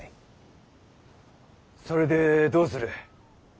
それでどうする？